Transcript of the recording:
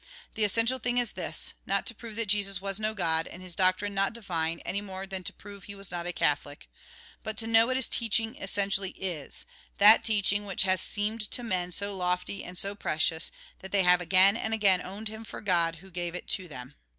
The essential thing is : not to prove that Jesus was no God, and his doctrine not divine, any more than to prove he was not a Catholic : but to know what his teaching essentially is ; that teaching which has seemed to men so lofty and so precious, that they have again and again owned him for God who gave it to them.